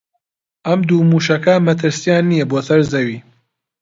ئەم دوو مووشەکە مەترسییان نییە بۆ سەر زەوی